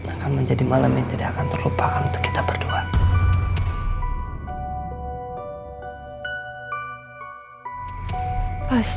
akan menjadi malam yang tidak akan terlupakan untuk kita berdua